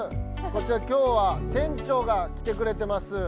こちら今日は店長が来てくれてます。